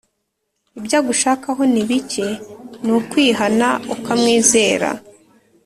Ibyagushakaho ni bike ni ukwihana ukamwizera